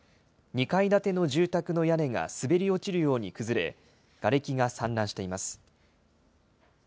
２階建ての住宅の屋根が滑り落ちるように崩れ、がれきが散乱しています。